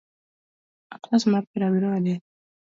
otas mar piero abiriyo gi adek